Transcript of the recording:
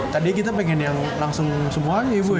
tadi kita pengen yang langsung semuanya ya bu ya